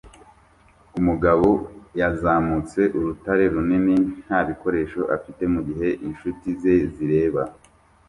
umugabo yazamutse urutare runini nta bikoresho afite mugihe inshuti ze zireba